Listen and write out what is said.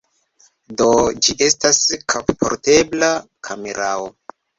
Do, ĝi estas kapportebla kamerao.